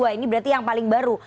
ini berarti yang paling baru